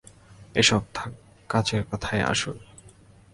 এসব থাক, কাজের কথায় আসুন।